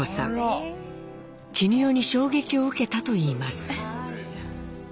絹代に衝撃を受けたと言います。